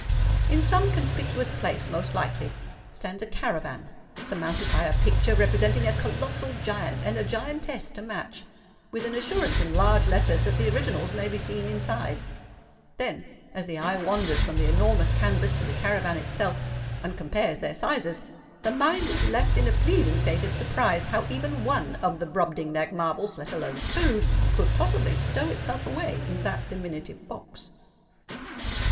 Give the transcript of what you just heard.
In some conspicuous place most likely stands a caravan, surmounted by a picture representing a colossal giant and a giantess to match, with an assurance in large letters that the originals may be seen inside:—then, as the eye wanders from the enormous canvass to the caravan itself, and compares their sizes, the mind is left in a pleasing state of surprise how even one of the Brobdingnag marvels—let alone two—could possibly stow itself away in that diminutive box.